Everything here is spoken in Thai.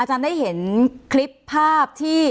อาจารย์ได้เห็นคลิปภาพที่